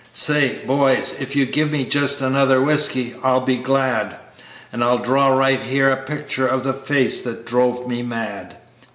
"Say, boys, if you give me just another whiskey I'll be glad, And I'll draw right here a picture of the face that drove me mad.